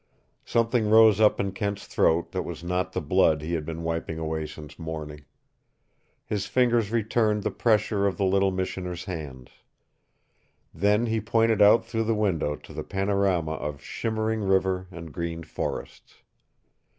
Something rose up in Kent's throat that was not the blood he had been wiping away since morning. His fingers returned the pressure of the little missioner's hands. Then he pointed out through the window to the panorama of shimmering river and green forests.